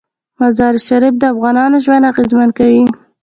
مزارشریف د افغانانو ژوند اغېزمن کوي.